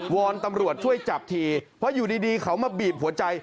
อนตำรวจช่วยจับทีเพราะอยู่ดีเขามาบีบหัวใจ